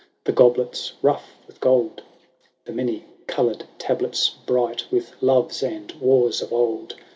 The goblets rough with gold. The many coloured tablets bright With loves and wars of old.